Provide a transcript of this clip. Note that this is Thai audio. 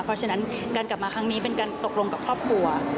เพราะฉะนั้นการกลับมาครั้งนี้เป็นการตกลงกับครอบครัว